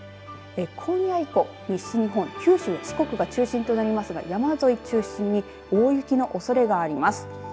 今夜以降、西日本、九州四国が中心となりますが山沿い中心に大雪のおそれがあります。